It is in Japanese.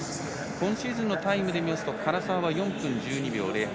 今シーズンのタイムで見ると唐澤は４分１２秒０８